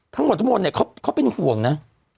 ทั้งหมดทั้งหมดเขาเป็นห่วงนะ